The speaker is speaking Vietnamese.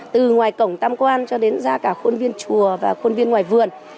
từ ngoài cổng tam quan cho đến ra cả khuôn viên chùa và khuôn viên ngoài vườn